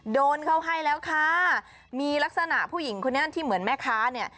โดนเขาให้แล้วค่ะมีลักษณะผู้หญิงคนนี้ที่เหมือนแม่ค้าเนี่ย